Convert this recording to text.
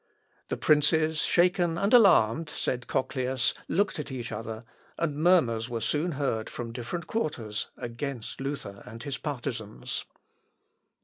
"The princes shaken and alarmed," says Cochlœus, "looked at each other; and murmurs were soon heard from different quarters against Luther and his partisans."